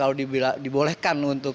kalau dibolehkan untuk kalau dibolehkan untuk